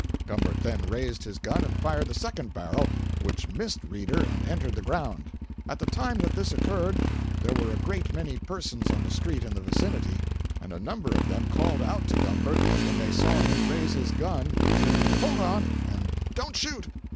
Gumbert then raised his gun and fired the second barrel, which missed Reeder and entered the ground. At the time that this occurred, there were a great many persons on the street in the vicinity, and a number of them called out to Gumbert, when they saw him raise his gun, to "hold on," and "don't shoot!"